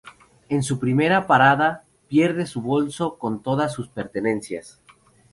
En su primera parada pierde su bolso con todas sus pertenencias.